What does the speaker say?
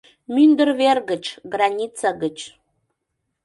Мӱндыр вер гыч, граница гыч